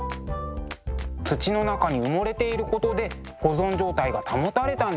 土の中に埋もれていることで保存状態が保たれたんでしょうね。